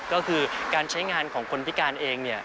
ก็คือการใช้งานของคนพิการเองเนี่ย